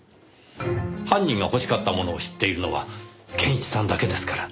犯人が欲しかったものを知っているのは健一さんだけですから。